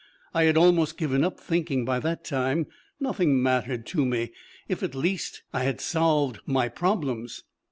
I had almost given up thinking by that time; nothing mattered to me. If at least I had solved my problems!